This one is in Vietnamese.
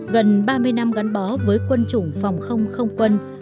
gần ba mươi năm gắn bó với quân chủng phòng không không quân